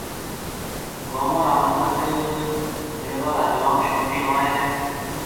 گومون را مِنک ميݪو را جوم شوقين ھوئيَ ھيََََ